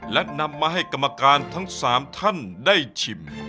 และนำมาให้กรรมการทั้ง๓ท่านได้ชิม